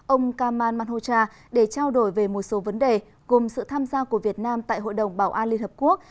ông kamal manhocha để trao đổi về một số vấn đề cùng sự tham gia của việt nam tại hội đồng bảo an liên hợp quốc